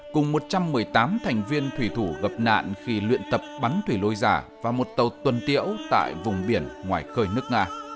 cùng một trăm một mươi tám thành viên thủy thủ gặp nạn khi luyện tập bắn thủy lôi giả và một tàu tuần tiễu tại vùng biển ngoài khơi nước nga